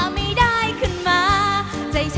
ก็จะมีความสุขมากกว่าทุกคนค่ะ